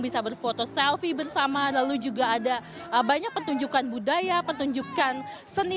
bisa berfoto selfie bersama lalu juga ada banyak pertunjukan budaya pertunjukan seni